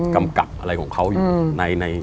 กำกับอะไรของเขาอยู่ใน